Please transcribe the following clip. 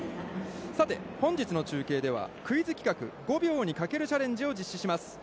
さて、本日の中継ではクイズ企画「５秒にカケル！チャレンジ」を実施します。